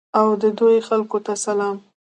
او د دوی خلکو ته سلام.